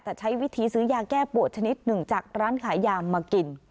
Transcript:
แต่ใช้วิธีซื้อยาแก้ปวดชนิดหนึ่งจากร้านขายยามากิน